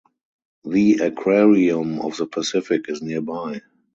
The Aquarium of the Pacific is nearby.